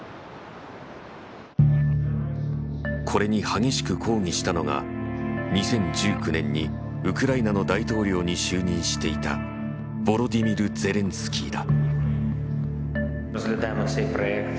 これに激しく抗議したのが２０１９年にウクライナの大統領に就任していたヴォロディミル・ゼレンスキーだ。